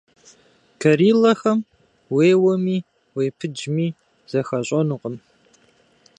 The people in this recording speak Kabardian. Гориллэхэм уеуэми, уепыджми, зэхащӀэнукъым.